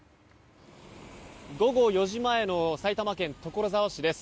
午後４時前の埼玉県所沢市です。